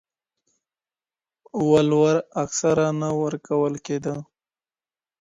ولور اکثره نه ورکول کيده.